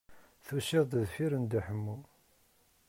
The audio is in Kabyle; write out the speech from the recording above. Tusiḍ-d deffif n Dda Ḥemmu.